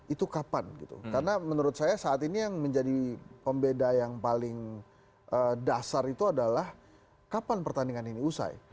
itu kapan gitu karena menurut saya saat ini yang menjadi pembeda yang paling dasar itu adalah kapan pertandingan ini usai